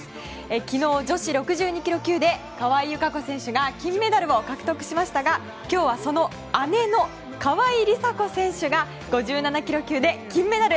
昨日、女子６２ｋｇ級で川井友香子選手が金メダルを獲得しましたが今日はその姉の川井梨紗子選手が５７ｋｇ級で金メダル。